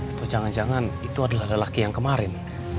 atau jangan jangan itu adalah lelaki yang kemarin